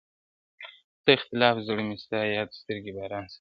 څه اختلاف زړه مي ستا ياد سترګي باران ساتي,